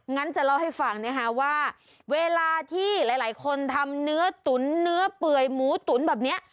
งั้นจะเล่าให้ฟังนะคะว่าเวลาที่หลายคนทำเนื้อตุ๋นเนื้อเปื่อยหมูตุ๋นแบบนี้